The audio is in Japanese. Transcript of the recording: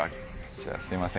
じゃあすいません。